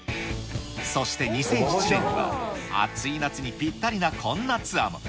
そして２００７年には、暑い夏にぴったりなこんなツアーも。